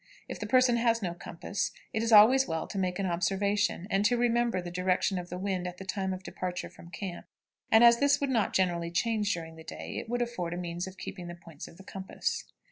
If the person has no compass, it is always well to make an observation, and to remember the direction of the wind at the time of departure from camp; and as this would not generally change during the day, it would afford a means of keeping the points of the compass.